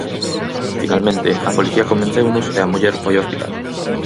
Finalmente a policía convenceunos e a muller foi ao hospital.